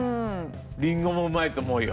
りんごもうまいと思うよ。